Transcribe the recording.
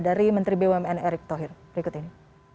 dari menteri bumn erick thohir berikut ini